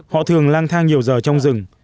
họ thường lang thang nhiều giờ trong rừng